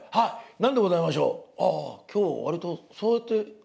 何でございましょう？」。